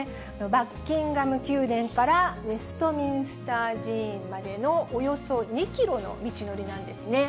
バッキンガム宮殿からウェストミンスター寺院迄のおよそ２キロの道のりなんですね。